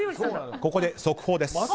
ここで速報です。